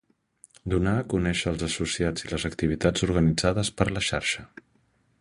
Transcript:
Donar a conèixer els associats i les activitats organitzades per la xarxa